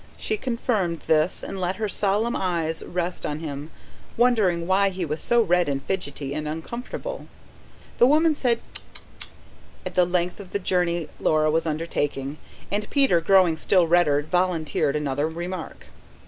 She confirmed this, and let her solemn eyes rest on him wondering why he was so red and fidgety and uncomfortable. The woman said: "Tch, tch, tch!" at the length of the journey Laura was undertaking, and Peter, growing still redder, volunteered another remark.